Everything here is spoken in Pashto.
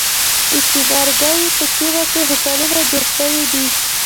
د څنارګی په سیمه کی هوټلونه جوړ شوی دی.